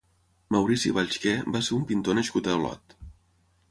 Maurici Vallsquer va ser un pintor nascut a Olot.